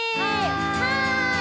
はい！